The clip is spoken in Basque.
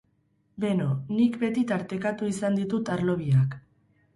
Beno, nik beti tartekatu izan ditut arlo biak.